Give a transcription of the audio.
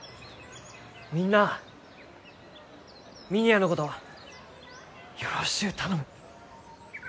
みんなあ峰屋のことよろしゅう頼む。